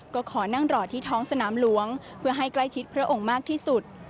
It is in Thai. ก็ขอนั่งรอที่ท้องสนามหลวงเพื่อให้ใกล้ชิดพระองค์มากที่สุด